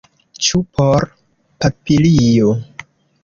Ĉu por papilio?